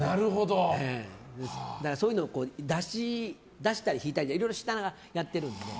そういうのを出したり引いたりでいろいろしながらやっているので。